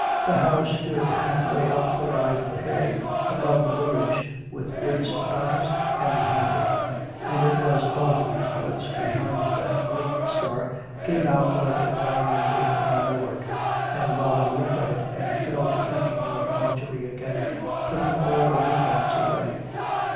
The house stood half way up the rise of the hill, above the village, with woods about it and behind it; and it was above these woods behind that the great star came out like a diamond in enamel work; and Robin looked at it, and fell to thinking of Marjorie again, putting all other thoughts away.